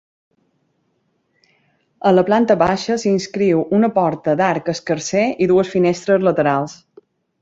A la planta baixa s'inscriu una porta d'arc escarser i dues finestres laterals.